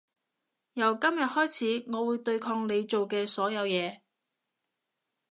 由今日開始我會對抗你做嘅所有嘢